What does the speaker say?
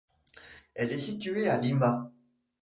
Elle est située à Lima.